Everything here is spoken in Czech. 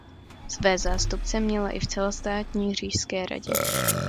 Své zástupce měla i v celostátní Říšské radě.